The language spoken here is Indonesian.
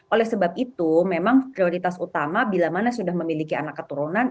oleh sebab itu memang prioritas utama bila mana sudah memiliki anak keturunan